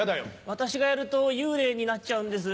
私がやると幽霊になっちゃうんです。